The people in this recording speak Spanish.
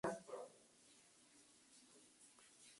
Durante la temporada, Robertson reside en Cambridge, Inglaterra.